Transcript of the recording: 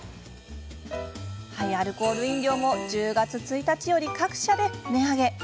アルコール飲料も１０月１日より各社で値上げ。